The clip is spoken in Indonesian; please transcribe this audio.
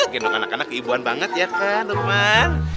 gendong anak anak ibuan banget ya kan teman